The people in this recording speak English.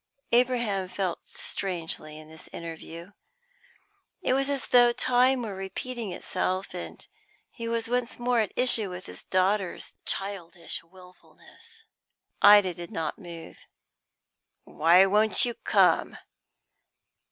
Abraham felt strangely in this interview. It was as though time were repeating itself, and he was once more at issue with his daughter's childish wilfulness. Ida did not move. "Why won't you come?"